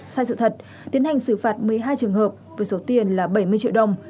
sai sự thật tiến hành xử phạt một mươi hai trường hợp với số tiền là bảy mươi triệu đồng